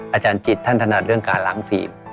อาจารย์จิตท่านถนัดเรื่องการล้างฟิล์ม